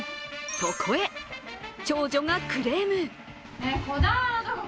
そこへ長女がクレーム。